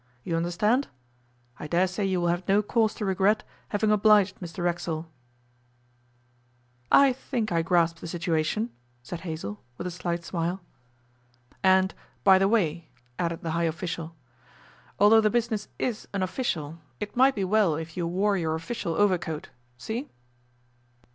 You understand? I dare say you will have no cause to regret having obliged Mr Racksole.' 'I think I grasp the situation,' said Hazell, with a slight smile. 'And, by the way,' added the high official, 'although the business is unofficial, it might be well if you wore your official overcoat. See?